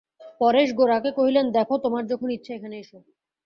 পরেশ গোরাকে কহিলেন, দেখো, তোমার যখন ইচ্ছা এখানে এসো।